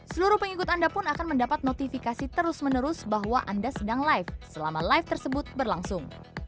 seluruh pengikut anda pun akan mendapat notifikasi terus menerus bahwa anda sedang live selama live tersebut berlangsung